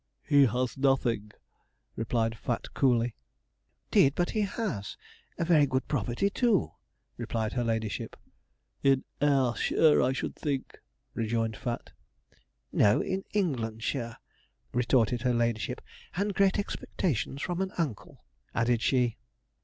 'He has nothing,' replied Fat coolly. ''Deed, but he has a very good property, too,' replied her ladyship. 'In _Air_shire, I should think,' rejoined Fat. 'No, in Englandshire,' retorted her ladyship: 'and great expectations from an uncle,' added she.